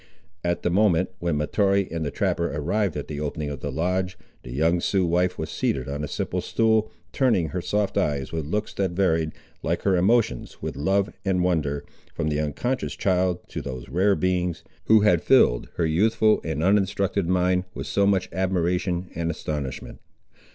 At the moment, when Mahtoree and the trapper arrived at the opening of the lodge, the young Sioux wife was seated on a simple stool, turning her soft eyes, with looks that varied, like her emotions, with love and wonder, from the unconscious child to those rare beings, who had filled her youthful and uninstructed mind with so much admiration and astonishment.